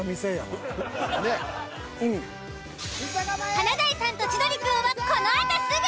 ［『華大さんと千鳥くん』はこの後すぐ！］